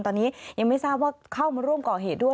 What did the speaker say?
ตอนนี้ยังไม่ทราบว่าเข้ามาร่วมก่อเหตุด้วย